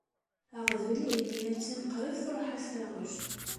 Aɣbel imi attan qrib truḥ-as taɣect.